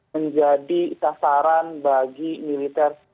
menjadi sasaran bagi militer